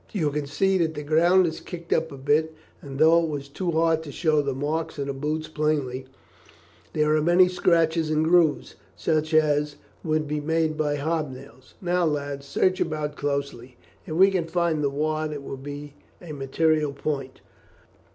You can see that the ground is kicked up a bit, and, though it was too hard to show the marks of the boots plainly, there are many scratches and grooves, such as would be made by hob nails. Now, lads, search about closely; if we can find the wad it will be a material point."